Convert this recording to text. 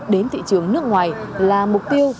đến thị trường nước ngoài là mục tiêu